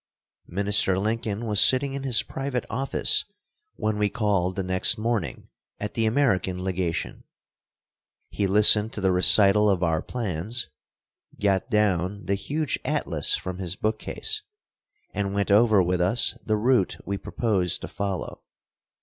Minister Lincoln was sitting in his private office when we called the next morning at I the American legation. He listened to the recital of our plans, got down the huge atlas from his bookcase, and went over with us the route we proposed to follow.